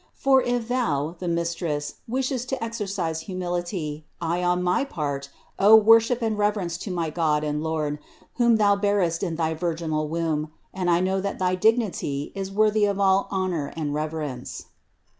For if Thou, the Mistress, wishest to exercise humility, I on my part owe worship and reverence to my God and Lord, whom Thou bearest in thy virginal womb, and I know that thy dignity is worthy of all honor and rev erence."